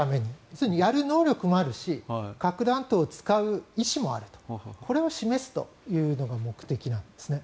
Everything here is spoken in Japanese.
要するに、やる能力もあるし核弾頭を使う意思もあるとこれを示すというのが目的なんですね。